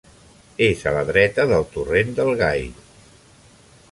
És a la dreta del Torrent del Gai.